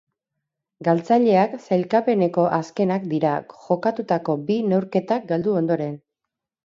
Galtzaileak sailkapeneko azkenak dira jokatutako bi neurketak galdu ondoren.